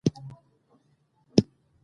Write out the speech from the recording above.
د نړیوال خطر مزاج: